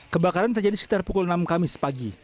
kebakaran terjadi sekitar pukul enam kamis pagi